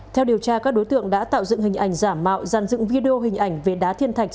theo điều tra các đối tượng đã tạo dựng hình ảnh giả mạo dàn dựng video hình ảnh về đá thiên thạch